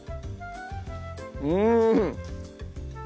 うん！